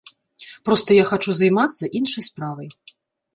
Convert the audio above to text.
Проста я хачу займацца іншай справай.